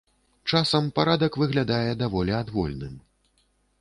Часам парадак выглядае даволі адвольным.